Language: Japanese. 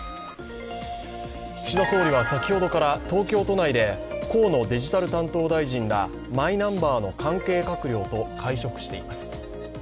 岸田総理は先ほどから東京都内で河野デジタル担当大臣ら、マイナンバーの関係閣僚と会食しています。